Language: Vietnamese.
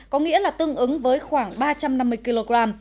có nghĩa là tương ứng với khoảng ba trăm năm mươi kg